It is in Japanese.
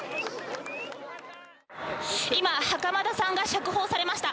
今、袴田さんが釈放されました。